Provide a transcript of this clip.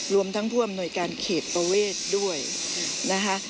รวมทั้งผู้อำนวยการเขตประเวทด้วยนะคะ